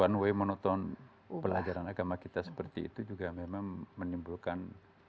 one way monoton pelajaran agama kita seperti itu juga memang menimbulkan